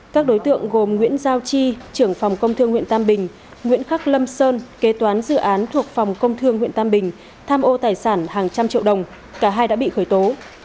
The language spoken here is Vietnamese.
các đối tượng gồm nguyễn giao chi trưởng phòng công thương huyện tam bình nguyễn khắc lâm sơn kế toán dự án thuộc phòng công thương huyện tam bình tham ô tài sản hàng trăm triệu đồng cả hai đã bị khởi tố